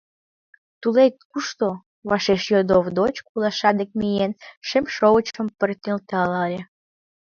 — Тулет кушто? — вашеш йодо Овдоч, кулаша дек миен, шем шовычшым пырт нӧлталале.